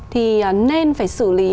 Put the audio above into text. thì nên phải xử lý